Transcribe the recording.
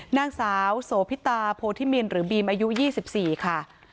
นางสาวโสพิตาโพธิมินหรือบีมอายุ๒๔ค่ะ